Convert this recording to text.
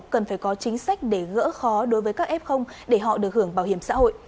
cần phải có chính sách để gỡ khó đối với các f để họ được hưởng bảo hiểm xã hội